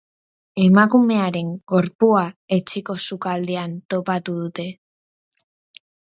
Emakumearen gorpua etxeko sukaldean topatu dute.